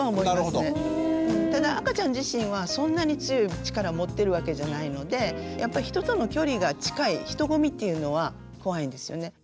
ただ赤ちゃん自身はそんなに強い力を持ってるわけじゃないのでやっぱり人との距離が近い人混みっていうのは怖いんですよね。